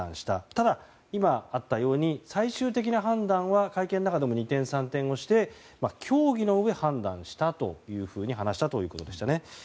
ただ、今あったように最終的な判断は会見の中でも二転三転して協議のうえ判断したと話したということでしたね。